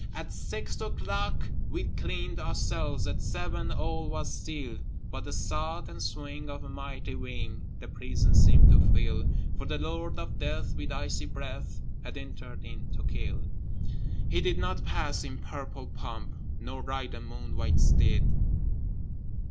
At six o'clock we cleaned our cells, At seven all was still, But the sough and swing of a mighty wing The prison seemed to fill, For the Lord of Death with icy breath Had entered in to kill. He did not pass in purple pomp, Nor ride a moon white steed.